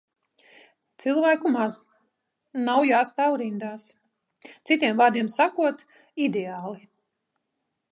Cilvēku maz. Nav jāstāv rindās. Citiem vārdiem sakot – ideāli.